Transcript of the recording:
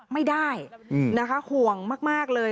ไม่ได้นะคะห่วงมากเลย